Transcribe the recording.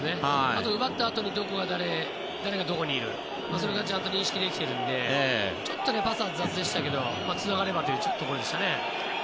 あと奪ったあとに誰がどこにいるかそれがちゃんと認識できてるのでちょっとパスは雑でしたけどつながればというところでしたね。